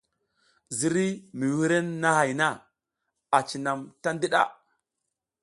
Ziriy wurenahay na cinam ta ndiɗa.